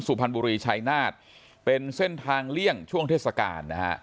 สุพรรณบุรีชัยนาฏเป็นเส้นทางเลี่ยงช่วงเทศกาลนะฮะ